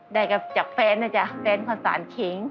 ได้จากแฟนนะจ๊ะแฟนของสารเข็ง